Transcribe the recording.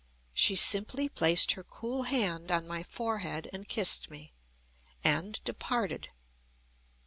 She simply placed her cool hand on my forehead, and kissed me, and departed.